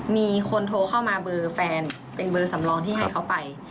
มีคนโทรเข้ามาเบอร์แฟนเป็นเบอร์สำรองที่ให้เขาไป